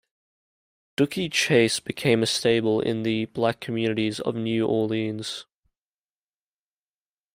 Dooky Chase became a stable in the black communities of New Orleans.